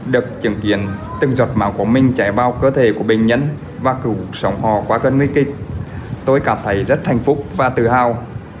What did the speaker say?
được chứng kiến từng giọt máu của mình chạy bao cơ thể của bệnh nhân và cứu sống họ qua cơn nguy kịch tôi cảm thấy rất hạnh phúc và tự hào